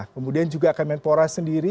kemudian juga akademen poras sendiri